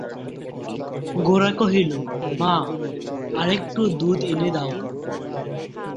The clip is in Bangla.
গোরা কহিল, মা, আর-একটু দুধ এনে দাও।